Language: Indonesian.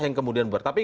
yang kemudian berubah